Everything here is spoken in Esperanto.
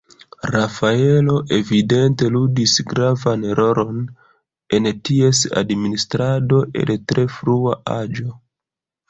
Rafaelo evidente ludis gravan rolon en ties administrado el tre frua aĝo.